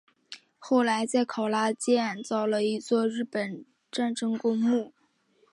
后来在考拉建造了一座日本战争公墓。